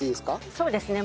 そうですね。